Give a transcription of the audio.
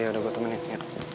ya udah gue temenin